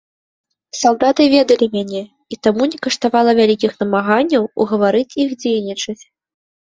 Салдаты ведалі мяне, і таму не каштавала вялікіх намаганняў угаварыць іх дзейнічаць.